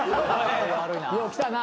よう来たな。